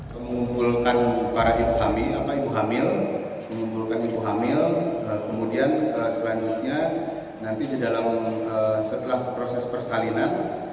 mengumpulkan para ibu hamil kemudian selanjutnya nanti di dalam setelah proses persalinan